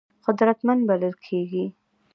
قدرتمند بلل کېږي.